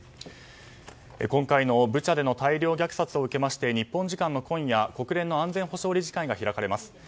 今回のブチャでの大量虐殺を受けまして日本時間の今夜国連の安全保障理事会が開かれます。